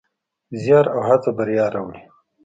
زیار او هڅه بریا راوړي.